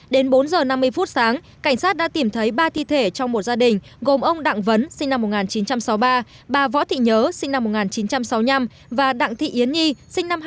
đến bốn giờ năm mươi phút sáng cảnh sát đã tìm thấy ba thi thể trong một gia đình gồm ông đặng vấn sinh năm một nghìn chín trăm sáu mươi ba bà võ thị nhớ sinh năm một nghìn chín trăm sáu mươi năm và đặng thị yến nhi sinh năm hai nghìn tám